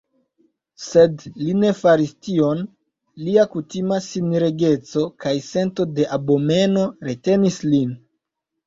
Sed li ne faris tion; lia kutima sinregeco kaj sento de abomeno retenis lin.